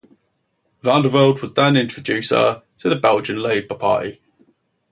Vandervelde would then introduce her to the Belgian Labour Party.